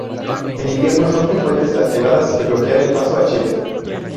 En invierno son frecuentes las nevadas, que bloquean el paso a Chile.